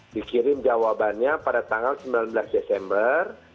dikirim jawabannya pada tanggal sembilan belas desember